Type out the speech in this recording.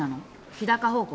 日高方向？